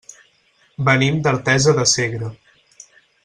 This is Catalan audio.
Venim d'Artesa de Segre.